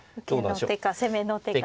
受けの手か攻めの手か。